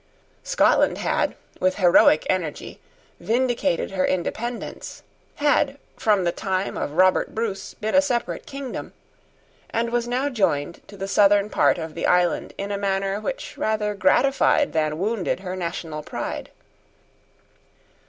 Scotland had, with heroic energy, vindicated her independence, had, from the time of Robert Bruce, been a separate kingdom, and was now joined to the southern part of the island in a manner which rather gratified than wounded her national pride.